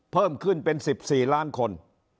เพิ่มขึ้นเป็น๑๔ล้านคน